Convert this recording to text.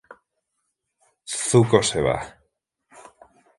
Zuko se va.